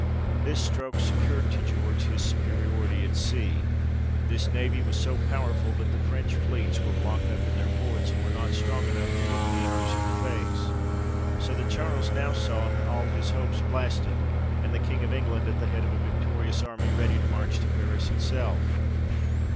This stroke secured to George his superiority at sea. This navy was so powerful that the French fleets were blocked up in their ports, and were not strong enough to look the English in the face ; so that Charles now saw all his hopes blasted, and the King of England at the head of a victorious army ready to march to Paris itself.